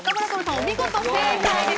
お見事正解です